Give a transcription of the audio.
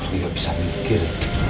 aku gak bisa mikir